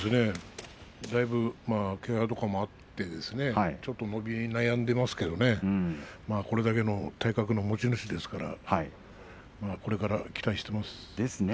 だいぶ、けがとかもあってちょっと伸び悩んでいますけれどこれだけの体格の持ち主ですからこれから期待しています。